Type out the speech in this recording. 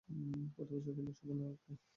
পতিতালয়ে বসাবো না ওকে।